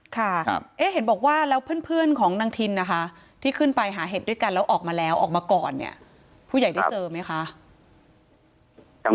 ค่ะเห็นบอกว่าแล้วเพื่อนของนางทินนะคะที่ขึ้นไปหาเห็ดด้วยกันแล้วออกมาแล้วออกมาก่อนเนี่ยผู้ใหญ่ได้เจอไหมคะ